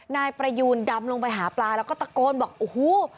นายประยูนดำลงไปหาปลาแล้วก็ตะโกนบอกโอ้โห